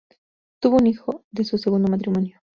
Tuvo un hijo de su segundo matrimonio.